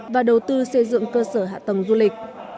và đầu tư xây dựng cơ sở hạ tầng du lịch